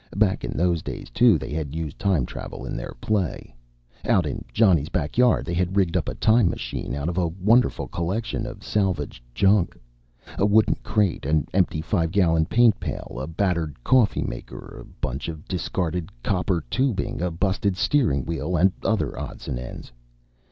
Back in those days, too, they had used time travel in their play. Out in Johnny's back yard, they had rigged up a time machine out of a wonderful collection of salvaged junk a wooden crate, an empty five gallon paint pail, a battered coffee maker, a bunch of discarded copper tubing, a busted steering wheel and other odds and ends.